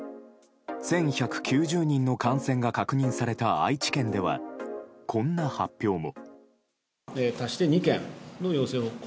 １１９０人の感染が確認された愛知県ではこんな発表も。